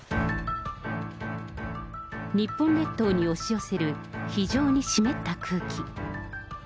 日本列島に押し寄せる非常に湿った空気。